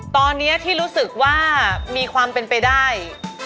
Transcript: ตอนนี้ที่รู้สึกว่ามีความเป็นไปได้